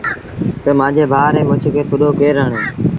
تا مآݩجي ڀآ ريٚ مڇ کي ٿڏو ڪير هڻي۔